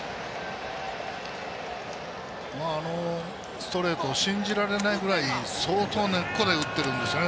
ストレート、信じられないぐらい相当、根っこで打てるんですね